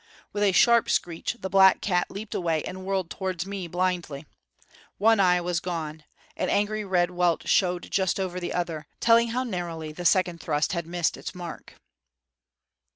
With a sharp screech the black cat leaped away and whirled towards me blindly. One eye was gone; an angry red welt showed just over the other, telling how narrowly the second thrust had missed its mark.